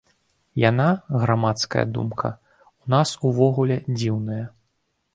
Яна, грамадская думка, у нас увогуле дзіўная.